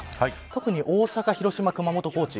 特に大阪、広島、熊本、高知